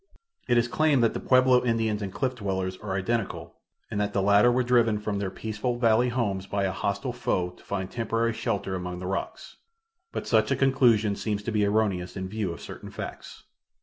It is claimed that the Pueblo Indians and cliff dwellers are identical and that the latter were driven from their peaceful valley homes by a hostile foe to find temporary shelter among the rocks, but such a conclusion seems to be erroneous in view of certain facts.